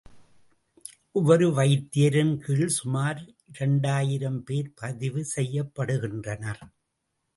ஒவ்வொரு வைத்தியரின் கீழ் சுமார் இரண்டாயிரம் பேர் பதிவு செய்யப்படுகின்றனர்.